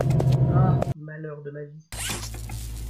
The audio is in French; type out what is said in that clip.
Ah ! malheur de ma vie